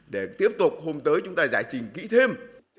để tiếp tục hôm tới chúng ta giải trình kỹ thêm